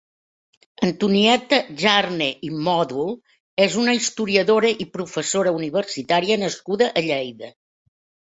Antonieta Jarne Mòdol és una historiadora i professora universitària nascuda a Lleida.